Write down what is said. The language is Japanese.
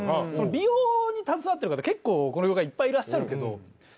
美容に携わってる方結構この業界いっぱいいらっしゃるけど。